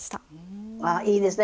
あいいですね。